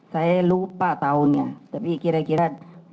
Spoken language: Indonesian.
saya lupa tahunnya tapi kira kira dua ribu satu dua ribu dua